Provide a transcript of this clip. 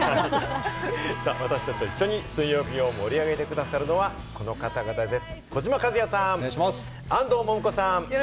では、私達と一緒に水曜日を盛り上げてくださるのはこの方々です。